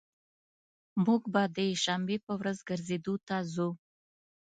موږ به د شنبي په ورځ ګرځیدو ته ځو